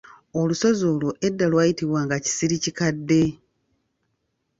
Olusozi olwo edda lwayitibwanga Kisirikikadde.